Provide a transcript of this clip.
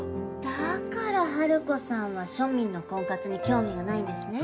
だからハルコさんは庶民の婚活に興味がないんですね。